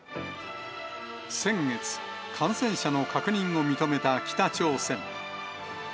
先月、感染者の確認を認めた北朝鮮。